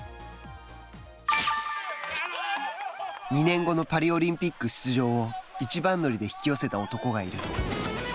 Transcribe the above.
２年後のパリオリンピック出場を一番乗りで引き寄せた男がいる。